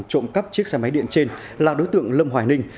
trộm cắp chiếc xe máy điện trên là đối tượng lâm hoài ninh